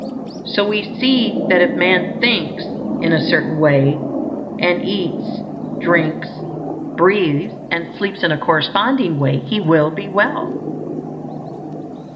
So we see that if man thinks in a certain way, and eats, drinks, breathes, and sleeps in a corresponding way, he will be well.